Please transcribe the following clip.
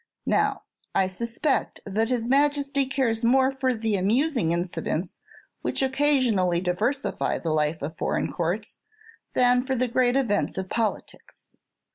Now, I suspect that his Majesty cares more for the amusing incidents which occasionally diversify the life of foreign courts than for the great events of politics.